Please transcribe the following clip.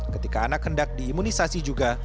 ketika anak hendak diimunisasi juga